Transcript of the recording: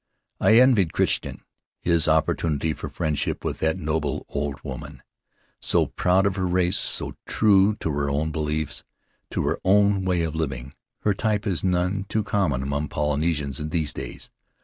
I envied Crichton his opportunity for friendship with that noble old woman, so proud of her race, so true to her own beliefs, to her own way of living. Her type is none too common among Polynesians in these days.